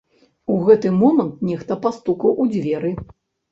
У гэты момант нехта пастукаў у дзверы.